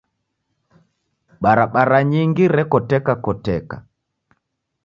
Barabara nyingi rekotekakoteka.